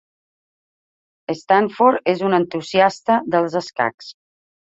Stanford és un entusiasta dels escacs.